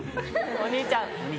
お兄ちゃん。